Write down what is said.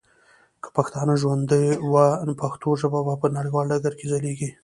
که پښتانه ژوندي وه ، پښتو ژبه به په نړیوال ډګر کي ځلیږي.